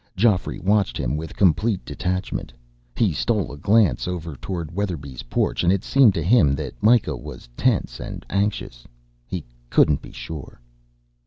Geoffrey watched him with complete detachment. He stole a glance over toward Weatherby's porch, and it seemed to him that Myka was tense and anxious. He couldn't be sure....